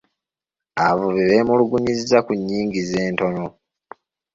Abavubi beemulugunyizza ku nnyingiza entono.